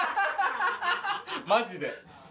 マジで。